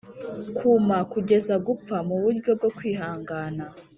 kuma kugeza gupfa muburyo bwo kwihangana